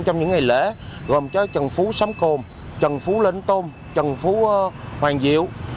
trong những ngày lễ gồm cho trần phú xóm cồn trần phú lên tôn trần phú hoàng diệu